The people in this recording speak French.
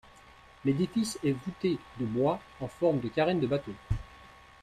L'édifice est voûté de bois en forme de carène de bateau.